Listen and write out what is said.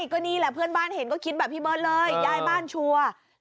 ก็นี่แหละเพื่อนบ้านเห็นก็คิดแบบพี่เบิร์ตเลยยายบ้านชัวร์